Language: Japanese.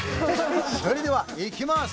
それではいきます！